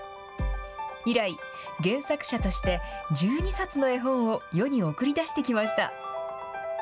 以来、原作者として、１２冊の絵本を世に送り出してきました。